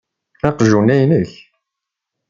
Aqjun-a inek.